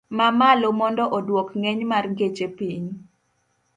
Ma malo mondo odwok ng'eny mar geche piny